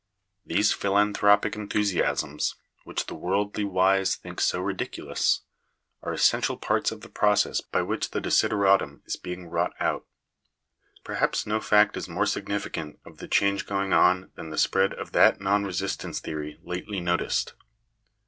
These philanthropic enthusiasms, which the worldly wise think so ridiculous, are essential parts of the process by which the desideratum is being wrought out. Perhaps no fact is more significant of the change going on than the spread of that non resistance theory lately noticed.